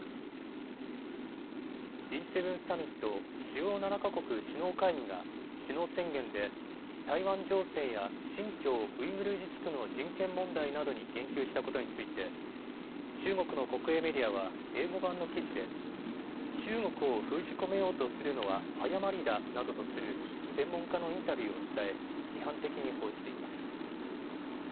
Ｇ７サミット・主要７か国首脳会議が首脳宣言で台湾情勢や新疆ウイグル自治区の人権問題などに言及したことについて中国の国営メディアは英語版の記事で中国を封じ込めようとするのは誤りだなどとする専門家のインタビューを伝え批判的に報じています。